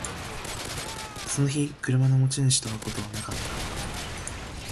その日、車の持ち主と会うことはなかった